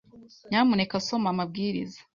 Nyamuneka soma amabwiriza.